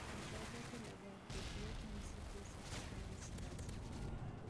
دا ګټه له با کیفیته ځمکې څخه په لاس راځي